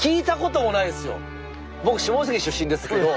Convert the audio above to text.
僕下関出身ですけど。